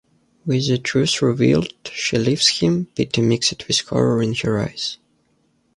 With the truth revealed, she leaves him, pity mixed with horror in her eyes.